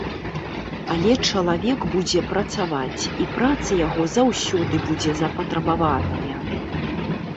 Але чалавек будзе працаваць, і праца яго заўсёды будзе запатрабаваная.